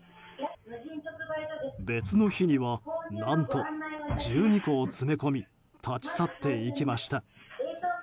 別の日には何と１２個を詰め込み立ち去っていきました。